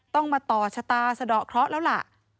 ต้องมาต่อชะตาสะดอกเคราะห์แล้วล่ะ